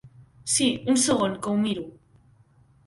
Sí, un segon que ho miro.